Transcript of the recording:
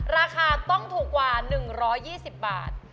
ราคาต้องถูกกว่า๑๒๐บาท